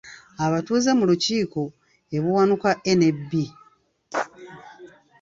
Abatuuze mu lukiiko e Buwanuka A ne B.